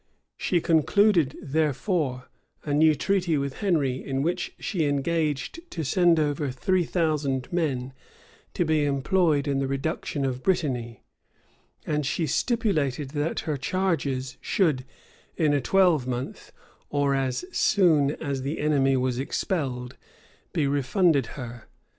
She concluded, therefore, a new treaty with Henry, in which she engaged to send over three thousand men to be employed in the reduction of Brittany; and she stipulated that her charges should, in a twelvemonth, or as soon as the enemy was expelled, be refunded her.